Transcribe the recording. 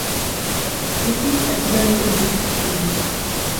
V dětství ztratil několik blízkých lidí.